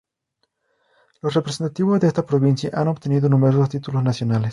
Los representativos de esta provincia han obtenido numerosos títulos nacionales.